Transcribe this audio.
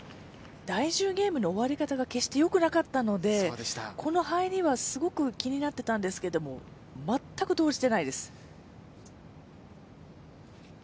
第１０ゲームの終わり方が決してよくなかったのでこの入りはすごく気になっていたんですけども、全く動じていないです。